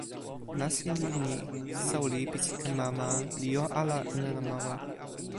nasin li ni: soweli pi sike mama li jo ala e nena mama.